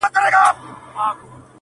چي دا عرض به مي څوک یوسي تر سلطانه،